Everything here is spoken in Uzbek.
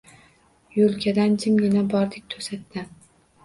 Yo’lkadan jimgina bordik… to’satdan